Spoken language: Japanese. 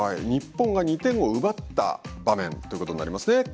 日本が２点を奪った場面ということになりますね。